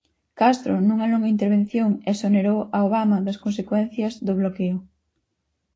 Castro, nunha longa intervención, exonerou a Obama das consecuencias do bloqueo.